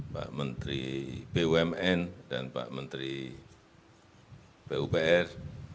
pak menteri bumn dan pak menteri pupr